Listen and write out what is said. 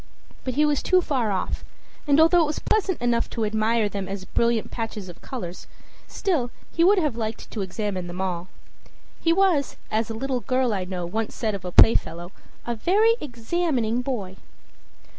But he was too far off; and though it was pleasant enough to admire them as brilliant patches of color, still he would have liked to examine them all. He was, as a little girl I know once said of a playfellow, "a very examining boy."